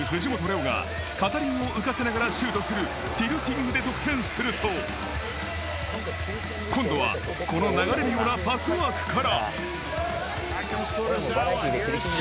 央が片輪を浮かせながらシュートするティルティングで得点すると、今度はこの流れるようなパスワークから。